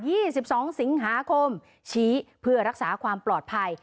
สิบสองสิงหาคมชี้เพื่อรักษาความปลอดภัย